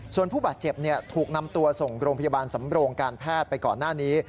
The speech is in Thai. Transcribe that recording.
ส่วนผู้บาดเจ็บถูกนำตัวส่งโรงพยาบาลสำโรงการแพทย์ไปก่อนหน้านี้